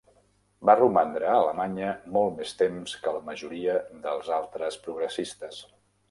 Va romandre a Alemanya molt més temps que la majoria dels altres progressistes.